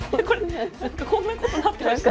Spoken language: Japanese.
こんなことなってました？